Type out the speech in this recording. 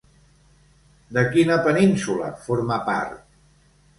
De quina península forma part?